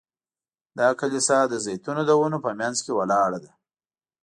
دا کلیسا د زیتونو د ونو په منځ کې ولاړه ده.